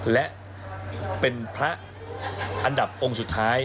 และเป็นพระอันดับองค์สุดท้าย